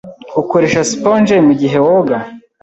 Ukoresha sponge mugihe woga?